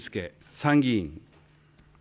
参議院。